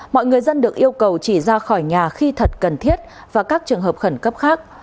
mọi người dân được yêu cầu chỉ ra khỏi nhà khi thật cần thiết và các trường hợp khẩn cấp khác